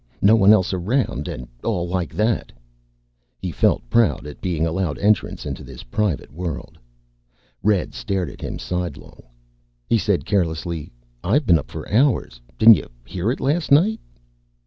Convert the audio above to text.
No one else around and all like that." He felt proud at being allowed entrance into this private world. Red stared at him sidelong. He said carelessly, "I've been up for hours. Didn't you hear it last night?"